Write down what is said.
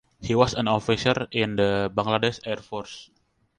He was an officer in the Bangladesh Air Force.